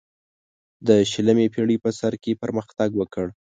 د شلمې پیړۍ په سر کې پرمختګ وکړ.